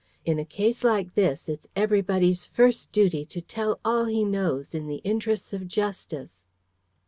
In a case like this, it's everybody's first duty to tell all he knows, in the interests of justice."